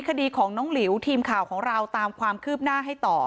คดีของน้องหลิวทีมข่าวของเราตามความคืบหน้าให้ต่อ